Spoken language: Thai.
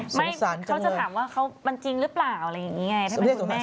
สงสารจังเลยเขาจะถามว่ามันจริงหรือเปล่าอะไรอย่างนี้ไง